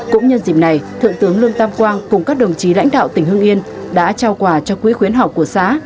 cũng nhân dịp này thượng tướng lương tam quang cùng các đồng chí lãnh đạo tỉnh hương yên đã trao quà cho quỹ khuyến học của xã